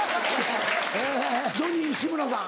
えジョニー志村さん